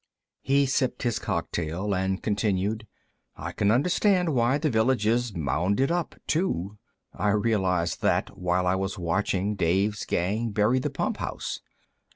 He sipped his cocktail and continued: "I can understand why the village is mounded up, too. I realized that while I was watching Dave's gang bury the pump house.